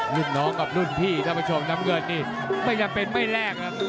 รุ่นน้องกับรุ่นพี่ท่านผู้ชมน้ำเงินนี่ไม่จำเป็นไม่แลกครับ